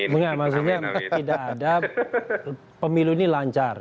enggak maksudnya tidak ada pemilu ini lancar